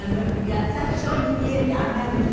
易しそうに見えて案外難しいんですよ